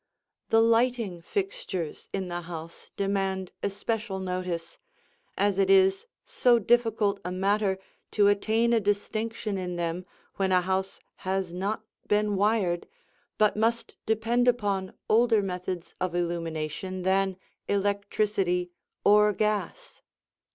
The lighting fixtures in the house demand especial notice, as it is so difficult a matter to attain a distinction in them when a house has not been wired but must depend upon older methods of illumination than electricity or gas.